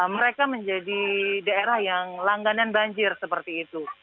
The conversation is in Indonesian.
mereka menjadi daerah yang langganan banjir seperti itu